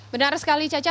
benar sekali caca